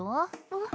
あっ。